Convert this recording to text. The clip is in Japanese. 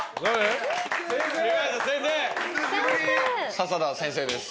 笹田先生です。